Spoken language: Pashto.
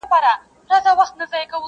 نن به څه خورې سړه ورځ پر تېرېدو ده.!